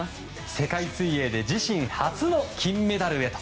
世界水泳で自身初の金メダルへと。